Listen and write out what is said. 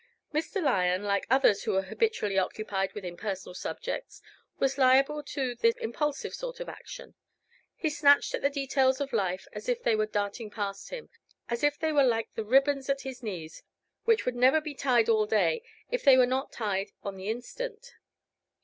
Mr. Lyon, like others who are habitually occupied with impersonal subjects, was liable to this impulsive sort of action. He snatched at the details of life as if they were darting past him as if they were like the ribbons at his knees, which would never be tied all day if they were not tied on the instant.